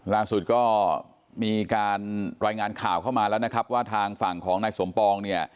ล่าสุดก็มีการรายงานข่าวเข้ามาแล้วนะครับว่าทางฝั่งของนายสมปองเนี่ย